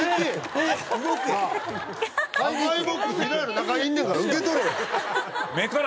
中いんねんから受け取れよ！